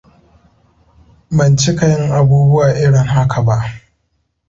Ban cika yin abubuwa irin haka ba.